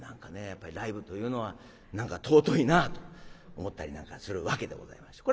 やっぱりライブというのは何か尊いなと思ったりなんかするわけでございまして。